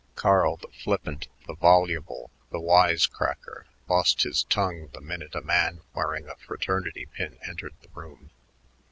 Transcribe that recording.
Carl, the flippant, the voluble, the "wise cracker," lost his tongue the minute a man wearing a fraternity pin entered the room.